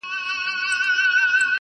په مشوکه کي مي زېری د اجل دئ!!